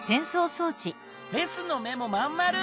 レスの目もまんまる。